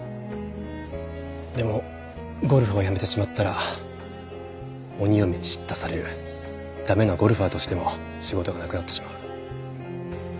でもゴルフをやめてしまったら鬼嫁に叱咤される駄目なゴルファーとしても仕事がなくなってしまう。